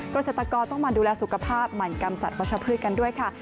เกษตรกรต้องหมั่นดูแลสุขภาพหมั่นกำจัดประชาพภูมิกันด้วยค่ะ